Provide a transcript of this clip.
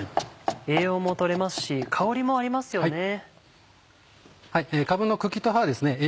栄養も取れますし香りもありますよね。